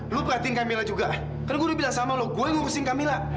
lu perhatikan mila juga kan udah bilang sama lo gue ngurusin kamila